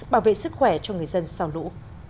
bảo vệ sức khỏe cho người dân sau lũ